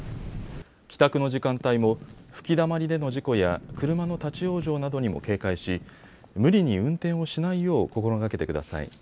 帰宅の時間帯も吹きだまりでの事故や車の立往生などにも警戒し無理に運転をしないよう心がけてください。